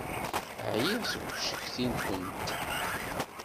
Ɛyiɣ seg ucetki-nkent.